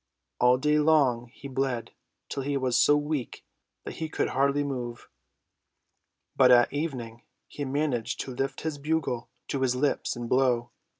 All day long he bled till he was so weak that he could hardly move. But at evening he managed to lift his bugle to his lips and blow.